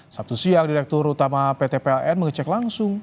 sabtu siang direktur utama pt pln mengecek langsung